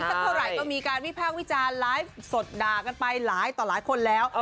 สักเท่าไหร่ก็มีการวิพากษ์วิจารณ์ไลฟ์สดด่ากันไปหลายต่อหลายคนแล้ว